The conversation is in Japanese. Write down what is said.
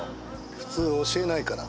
普通教えないから。